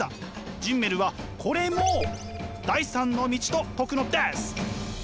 ジンメルはこれも第３の道と説くのです。